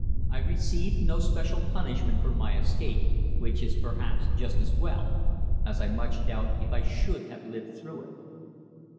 I received no special punishment for my escape, which is perhaps just as well, as I much doubt if I should have lived through it.